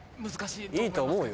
いいと思うよ。